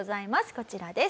こちらです。